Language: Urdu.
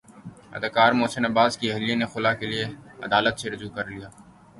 اداکار محسن عباس کی اہلیہ نے خلع کے لیے عدالت سےرجوع کر لیا